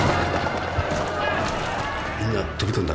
みんな飛び込んだ。